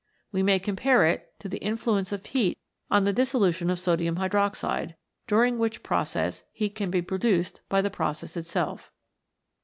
We may compare it to the influence of heat on the dissolution of sodium hydroxide, during which process heat can be produced by the process itself.